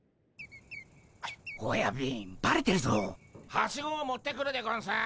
・はしごを持ってくるでゴンス。